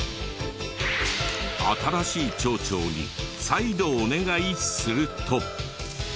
新しい町長に再度お願いすると。